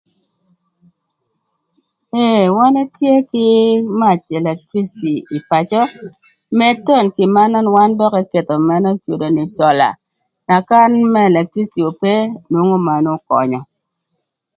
Ee, wan etye kï mac electricity ï pacö, mëd thon kï manön wan thon eketho mënë ecwodo nï Cola, ëka mac electricity ope ëketho manön më könyö.